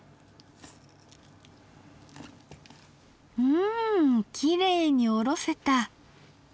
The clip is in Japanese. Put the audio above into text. うんきれいにおろせた！